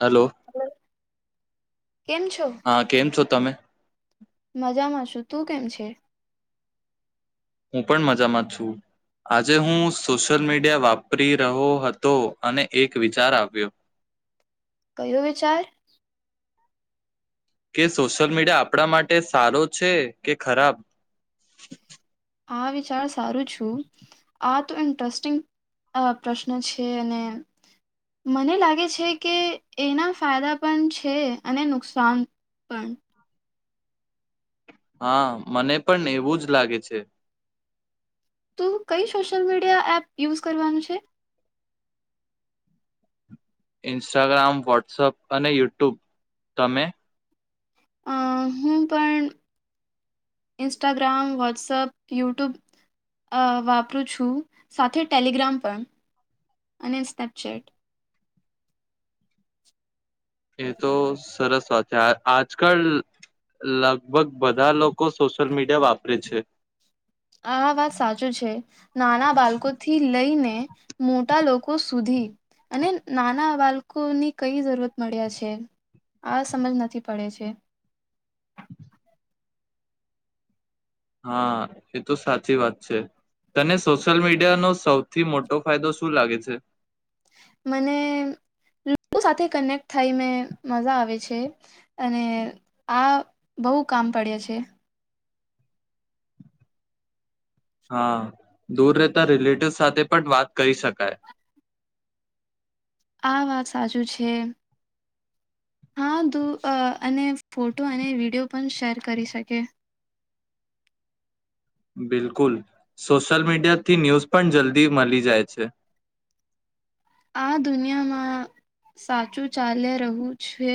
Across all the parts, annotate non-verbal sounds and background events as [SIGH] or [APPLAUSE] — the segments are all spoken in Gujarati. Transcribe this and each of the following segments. હલો. કેમ છો? હા, કેમ છો તમે? મજામાં, શું તું કેમ છે? હું, પણ મજામાં છું. આજે હું સોશિયલ મીડિયા વાપરી રહ્યો હતો, અને એક વિચાર આવ્યો. કયો વિચાર? કે સોશિયલ મીડિયા આપણા માટે સારો છે, કે ખરાબ? આ વિચાર સારું છું. આ તો ઇન્ટરેસ્ટિંગ અ પ્રશ્ન છે, અને મને લાગે છે કે એના ફાયદા પણ છે, અને નુકસાન પણ. હા, મને પણ એવું જ લાગે છે. તુ કઈ સોશિયલ મીડિયા એપ યુઝ કરવાનું છે? ઇન્સ્ટાગ્રામ, વોટ્સઅપ અને યુટ્યુબ. તમે? અ હું પણ ઇન્સ્ટાગ્રામ, વોટ્સઅપ યુટ્યુબ અ વાપરું છું, સાથે ટેલિગ્રામ પણ, અને સ્નેપચેટ. એ તો સરસ વાત છે. આ આજકાલ લગભગ બધા લોકો સોશિયલ મીડિયા વાપરે છે. આ વાત સાચું છે. નાના બાલકોથી લઈને મોટા લોકો સુધી, અને નાના બાલકોની કઈ જરૂરત મળ્યા છે, આ સમજ નથી પડે છે. હા, એ તો સાચી વાત છે. તને સોશિયલ મીડિયાનો સૌથી મોટો ફાયદો શું લાગે છે? મને લોકો સાથે કનેક્ટ થઈ મે મજા આવે છે, અને આ બહુ કામ પડે છે. હા, દૂર રહેતા રિલેટિવ સાથે પણ વાત કરી શકાય. આ વાત સાચું છે. હા દું અને ફોટો અને વિડીયો પણ શેર કરી શકે. બિલકુલ, સોશિયલ મીડિયાથી ન્યૂઝ પણ જલ્દી મલી જાય છે. આ દુનિયામાં સાચું ચાલે રહ્યું છે,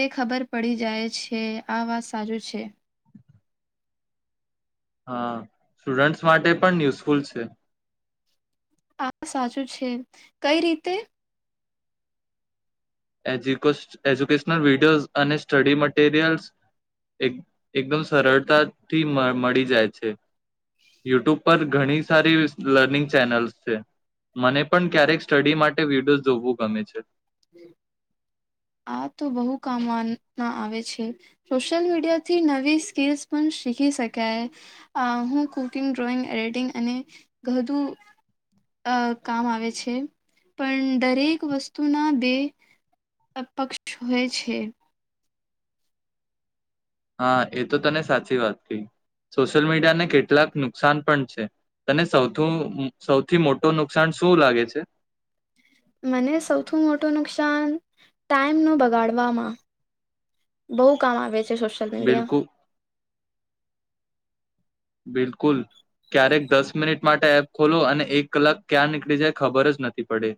એ ખબર પડી જાય છે, આ વાત સાચું છે. હા સ્ટુડન્ટ્સ માટે પન યુઝફુલ છે હા સાચું છે. કઈ રીતે? એ એજ્યુકેશનલ વિડીયોઝ અને સ્ટડી મટીરિયલ્સ, એક એકદમ સરળતાથી મળી જાય છે. યુટ્યુબ પર ઘણી સારી લર્નિંગ ચેનલ્સ છે. મને પણ ક્યારેક સ્ટડી માટે વિડીયોઝ જોવું ગમે છે. હમ્મ. આ તો બહુ કામમાં માં આવે છે. સોશિયલ મીડિયાથી નવી સ્કીલ્સ પણ શીખી શકાય. આ હું કુકિંગ, ડ્રોઈંગ, એડિટિંગ અને ઘધું કામ આવે છે, પણ દરેક વસ્તુના બે અ પક્ષ હોય છે હા, એ તો તને સાચી વાત કહી. સોશિયલ મીડિયાને કેટલાક નુકસાન પણ છે. તને સૌથુ સૌથી મોટું નુકસાન શું લાગે છે? મને સૌથુ મોટું નુકસાન ટાઈમનું બગાડવામાં, બહુ કામ આવે છે. જે સોશ્યલ મીડિયા બિલકુલ બિલકુલ, ક્યારેક દસ મિનિટ માટે એપ ખોલો, અને એક કલાક ક્યાં નીકળી જાય ખબર જ નથી પડે.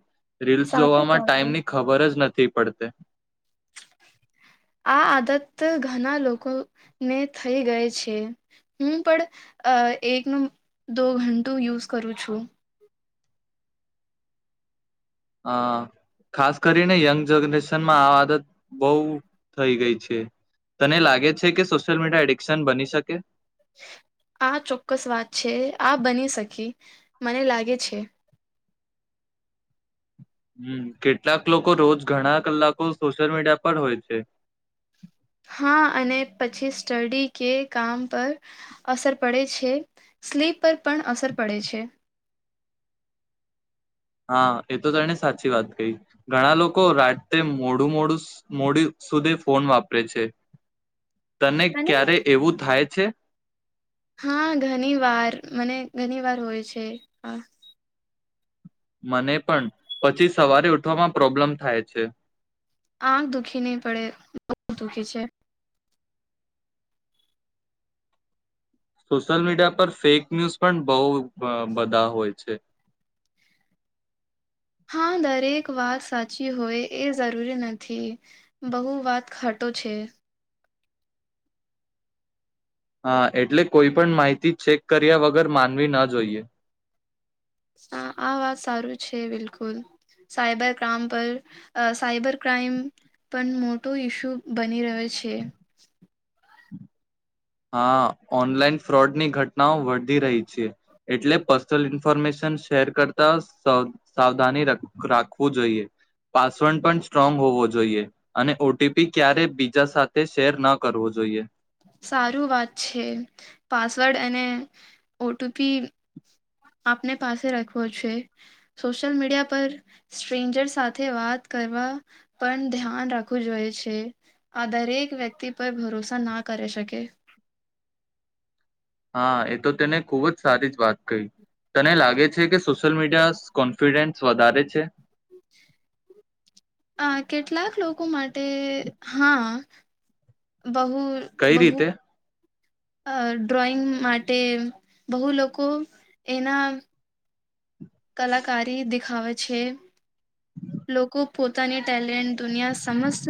રીલ્સ સાચું જોવામાં કહું છું ટાઈમની ખબર જ નથી થી પડતે આ આદત ઘના લોકોને થઈ ગઈ છે, હું પણ એકનું દો ઘંટું યુઝ કરું છું. હા, ખાસ કરીને યંગ જનરેશનમાં આ આદત બહુ થઈ ગઈ છે તને લાગે છે કે સોશિયલ મીડિયા એડિક્શન બની શકે? આ ચોક્કસ વાત છે, આ બની શકી. મને લાગે છે. હમ કેટલાક લોકો રોજ ઘણા કલાકો સોશિયલ મીડિયા પર હોય છે. હા, અને પછી સ્ટડી કે કામ પર અસર પડે છે. સ્લીપ પર પણ અસર પડે છે. હા એ તો તેણે સાચી વાત કહી. ઘણા લોકો રાતે મોડું મોડું મોડી સુધી ફોન વાપરે છે. તને અને ક્યારે એવું થાય છે? હા, ઘની વાર, મને ઘની વાર હોય છે આ. મને પણ. પછી સવારે ઉઠવામાં પ્રોબ્લેમ થાય છે. આંખ દુઃખી નહીં પડે, બહુ દુખી છે. સોશિયલ મીડિયા પર ફેક ન્યૂઝ પણ બહુ અ બધા હોય છે. હા, દરેક વાત સાચી હોય એ જરૂરી નથી. બહુ વાત ખાટો છે. હા, એટલે કોઈ પણ માહિતી ચેક કર્યા વગર માનવી ન જોઈએ. હા, આ વાત સારું છે બિલકુલ. સાયબર ક્રાઈમ પર સાયબર ક્રાઈમ પણ મોટો ઈસ્યુ બની રહ્યો છે. છે. હા, ઓનલાઈન ફ્રોડની ઘટનાઓ વધી રહી છે. એટલે પર્સનલ ઇન્ફોર્મેશન શેર કરતા સાવધાની રાખવું જોઈએ. પાસવર્ડ પણ સ્ટ્રોંગ હોવો જોઈએ, અને ઓ ટી પી ક્યારે બીજા સાથે શેર ના કરવો જોઈએ. સારું વાત છે. પાસવર્ડ અને ઓ ટી પી આપને પાસે રાખવો છે. સોશિયલ મીડિયા પર સ્ટ્રેન્જર સાથે વાત કરવા પણ ધ્યાન રાખવું જોઈ છે. આ દરેક વ્યક્તિ પર ભરોસા ના કરે શકે. હા, એ તો તેને ખૂબ જ સારી જ વાત કહી. તને લાગે છે કે સોશિયલ મીડિયા કોન્ફિડન્સ વધારે છે? આ કેટલાક લોકો માટે, હા. બહુ, કઈ બહુ રીતે અ ડ્રોઈંગ માટે, બહુ લોકો એના કલાકારી દેખાવે છે. લોકો પોતાની ટેલેન્ટ દુનિયા સમસ્ત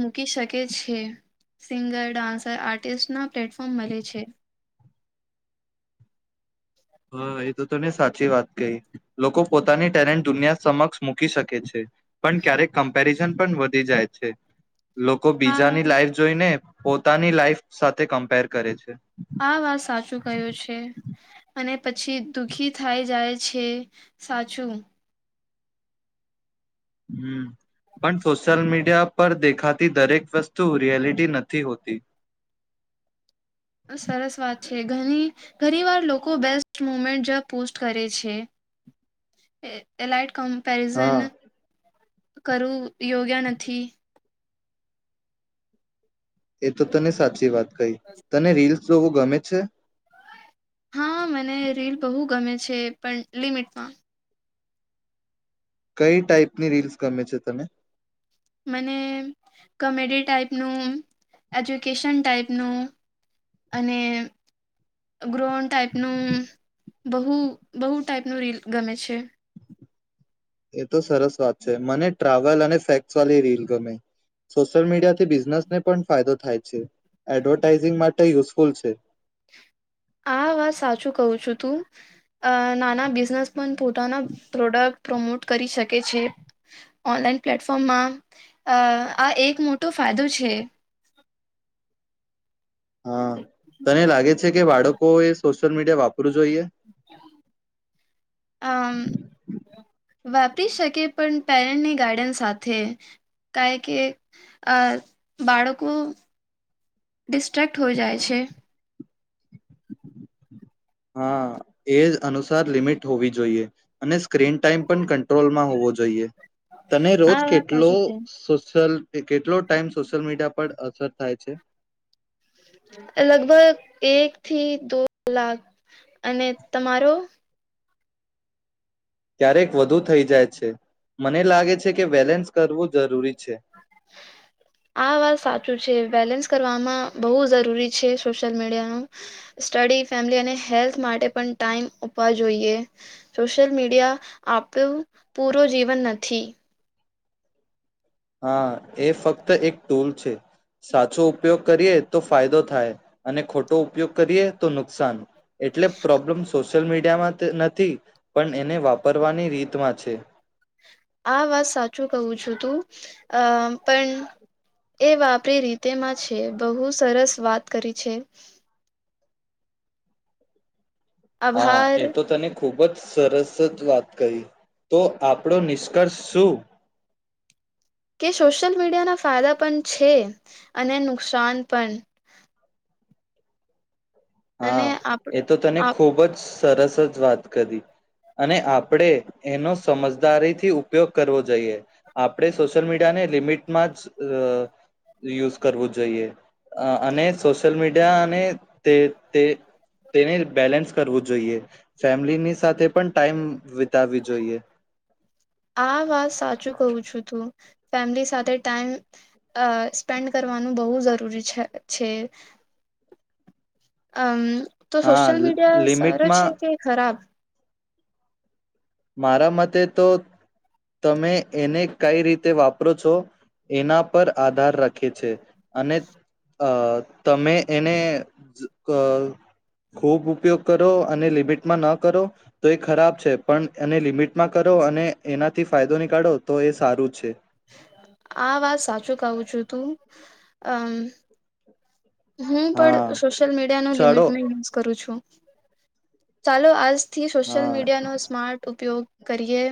મૂકી શકે કે છે. સિંગર, ડાન્સર, આર્ટિસ્ટના પ્લેટફોર્મ મલે છે. હા, એ તો તને સાચી વાત કહી. લોકો પોતાની ટેલેન્ટ દુનિયા સમક્ષ મૂકી શકે છે. પન ક્યારેક કમ્પેરિઝન પન વધી જાય છે. લોકો આ બીજાની લાઈફ જોઈને પોતાની લાઈફ સાથે કમ્પેર કરે છે. આ વાત સાચું ક્યું છે. અને પછી દુખી થાય જાય છે. સાચું. હં, પણ સોશિયલ મીડિયા પર દેખાતી દરેક વસ્તુ, રિયાલિટી નથી હોતી. સરસ વાત છે. ઘણી, ઘણી વાર લોકો બેસ્ટ મુમેન્ટ જ પોસ્ટ કરે છે. એલાઇટ ક પેરિઝન હા કરવું યોગ્ય નથી. એ તો તને સાચી વાત. કઈ. તને રીલ્સ જોવું ગમે છે? હા, મને રીલ બહુ ગમે છે, પણ લિમિટમાં. કઈ ટાઈપની રીલ્સ ગમે છે તને? મને, કમેડી ટાઈપનું, એજ્યુકેશન ટાાઈપનું, અને ગ્રોન ટાઇપનું બહુ, બહુ ટાઈપનું રીલ ગમે છે. એ તો સરસ વાત છે. મને ટ્રાવેલ અને ફેક્ટ્સવાલી રીલ ગમે. સોશિયલ મીડિયા થી બિઝનેસને પણ ફાયદો થાય છે. એડવર્ટાઈઝિંગ માટે યુઝફુલ છે. આ વાત સાચું કહું છું તું. અ નાના બિઝનેસ પન પોતાના પ્રોડક્ટ પ્રમોટ કરી શકે. કે છે. ઓનલાઈન પ્લેટફોર્મમાં, અ આ એક મોટો ફાયદો છે. હા, તને લાગે છે કે બાળક કો એ સોશિયલ મીડિયા વાપરવું જોઈએ? આમ. વાપરી શકે, પણ પેરેન્ટની ગાઈડન્સ સાથે. કાય કે બાળકો ડિસ્ટ્રેક્ટ હોઈ જાય છે. હા, એજ અનુસાર લિમિટ હોવી જોઈએ, અને સ્ક્રીન ટાઈમ પન કન્ટ્રોલમાં હોવો જોઈએ. તને રોજ આ વાત કેટલો સાચું છે. સોશલ એ કેટલો ટાઈમ સોશિયલ મીડિયા પર અસર થાય છે? લગભગ એક થી દો કલાક. અને તમારો? ક્યારેક વધુ થઈ જાય છે. મને લાગે છે કે બેલેન્સ કરવું જરૂરી છે આ વાત સાચું છે. બેલેન્સ કરવામાં બહુ જરૂરી છે સોશિયલ મીડિયાનું. સ્ટડી, ફેમિલી અને હેલ્થ માટે પણ ટાઈમ આપવા જોઈએ. સોશિયલ મીડિયા આપણું પૂરો જીવન નથી. હા, એ ફક્ત એક ટૂલ છે. સાચો ઉપયોગ કરીએ તો ફાયદો થાય, અને ખોટો ઉપયોગ કરીએ તો નુકસાન. એટલે પ્રોબ્લેમ સો સોશિયલ મીડિયામાં ત નથી, પન એને વાપરવાની રીતમાં છે. આ વાત સાચું કહું છું, તું. અમ્મ. પણ એ વાપરી રીતેમાં છે. બહુ સરસ વાત કરી છે. હા આભાર એ તો તને ખૂબ જ સરસ જ વાત કહી. તો આપણો નિષ્કર્ષ શું? કે સોશિયલ મીડિયાના ફાયદા પણ છે. અને નુકસાન પણ અને હા આપ એ તો તને આપ ખુબ જ તરસ જ વાત કરી અને આપણે એનો સમજદારીથી ઉપયોગ કરવો જોઈએ આપણે સોશિયલ મીડિયાને લિમિટમાં જ અ યુઝ કરવું જોઈએ અ અને સોશિયલ મીડિયા ને તે તે તેને બેલેન્સ કરવું જોઈએ ફેમિલીની સાથે પણ ટાઈમ વી આ વાત સાચું કવું છું તું ફેમિલી સાથે ટાઈમ અ સ્પેન્ડ કરવાનું બહુ જરૂરી છે. તો હા સોશિયલ મીડિયા સારો છે લિમિટમાં કે ખરાબ? મારા મતે તો તમે એને કઈ રીતે વાપરો છો એના પર આધાર રાખે છે. અને અ તમે એને ક ખૂબ ઉપયોગ કરો અને લિમિટમાં ન કરો તો એ ખરાબ છે. પણ એને લિમિટમાં કરો અને એનાથી ફાયદો નીકાળો તો એ સારું છે. આ વાત સાચું કહું છું તું અમ્મ હું પણ હા સોશિયલ મીડિયાનો લિમિટ ચાલો મે યુઝ કરું છું. ચાલો આજ થી સોશિયલ હા મીડિયા નો સ્માર્ટ ઉપયોગ કરીએ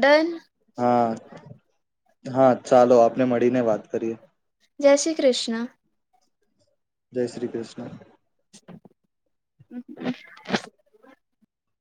ડન. હા હા ચાલો આપને મળીને વાત કરીએ. જય શ્રી કૃષ્ણ. જય શ્રી કૃષ્ણ. [INAUDIBLE]